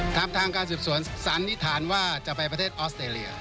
ทำทางการศึกษวนสัญภานว่าจะไปประเทศออสเดรีย